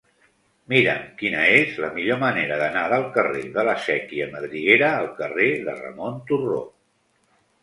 Mira'm quina és la millor manera d'anar del carrer de la Sèquia Madriguera al carrer de Ramon Turró.